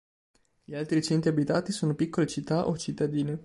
Gli altri centri abitati sono piccole città o cittadine.